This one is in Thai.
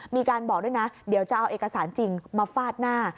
มีการบอกด้วยนะเดี๋ยวจะเอาเอกสารจริงมาฟาดหน้า